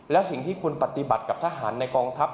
แล้วสิ่งที่คุณปฏิบัติกับทหารในกองทัพ